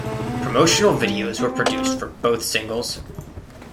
Promotional videos were produced for both singles.